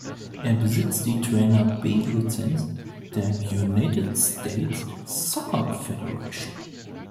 Er besitzt die Trainer B-Lizenz der United States Soccer Federation.